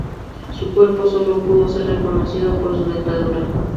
Su cuerpo solo pudo ser reconocido por su dentadura.